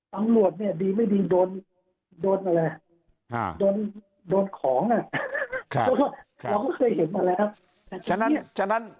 ตำรวจดีไม่ดีโดนของเราก็เคยเห็นมาแล้ว